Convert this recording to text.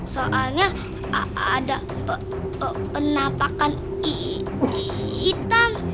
soalnya ada penampakan hitam